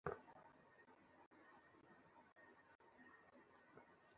অ্যাসেটটা কাউকে পাঠিয়ে দিয়েছে।